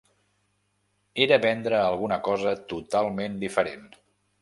Era vendre alguna cosa totalment diferent.